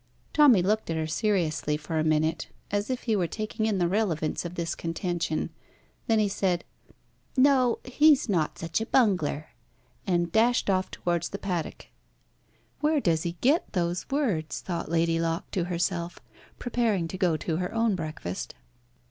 Tommy looked at her seriously for a minute, as if he were taking in the relevance of this contention. Then he said "No, he's not such a bunger," and dashed off towards the paddock. "Where does he get those words?" thought Lady Locke to herself, preparing to go to her own breakfast.